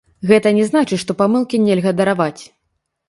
Гэта не значыць, што памылкі нельга дараваць.